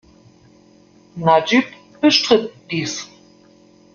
Najib bestritt dies.